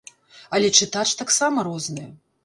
Але чытач таксама розны.